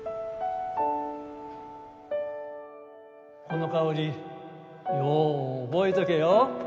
この香りよう覚えとけよ